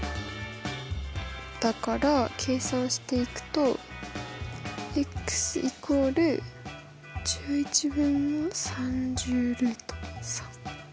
だから計算していくと＝１１分の３０ルート３。